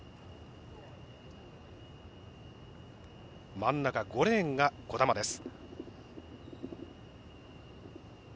真ん中５レーンが兒玉です。